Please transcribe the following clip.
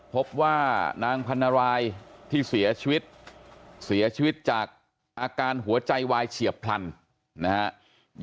พบว่านางพันรายที่เสียชีวิตเสียชีวิตจากอาการหัวใจวายเฉียบพลันนะครับ